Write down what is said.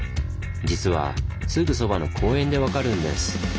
実はすぐそばの公園で分かるんです。